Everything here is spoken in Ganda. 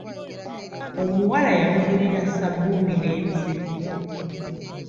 Omuwala yamugulira ssabuuni n'ebizigo.